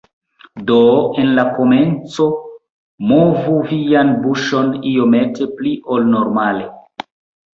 Do, en la komenco movu vian buŝon iomete pli ol normale.